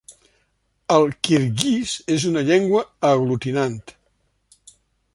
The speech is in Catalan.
El kirguís és una llengua aglutinant.